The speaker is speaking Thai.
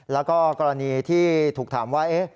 แล้วก็กรณีที่ถูกถามว่า